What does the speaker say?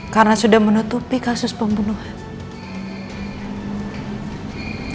karena sudah menutupi kasus pembunuhan